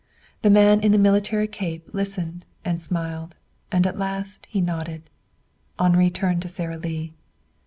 The man in the military cape listened and smiled. And at last he nodded. Henri turned to Sara Lee.